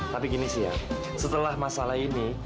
tapi gini sih ya setelah masalah ini